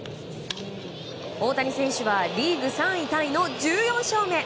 大谷選手はリーグ３位タイの１４勝目。